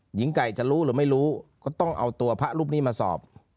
หญิงไก่จะรู้หรือไม่รู้ก็ต้องเอาตัวพระรูปนี้มาสอบ